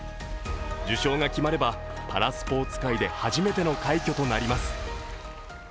受賞が決まれば、パラスポーツ界で初めての快挙となります。